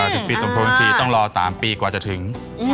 ถึงปีสมพงษ์สักทีต้องรอ๓ปีกว่าจะถึง